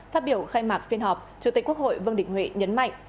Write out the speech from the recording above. phát biểu khai mạc phiên họp chủ tịch quốc hội vương đình huệ nhấn mạnh